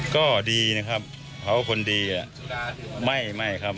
ก็ดีนะครับเขาคนดีไม่ครับ